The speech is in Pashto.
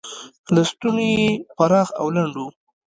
لستوڼي یې پراخ او لنډ و.